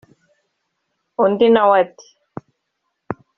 undi na we ati